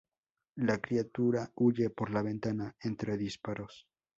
La criatura huye por la ventana entre disparos.